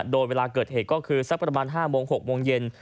โดยเวลาเกิดเหตุก็คือสักประมาณ๕โมง๖โมงเย็น